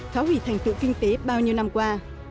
phá hủy thành tựu kinh tế bao nhiêu năm qua